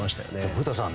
古田さん